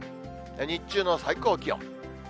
日中の最高気温。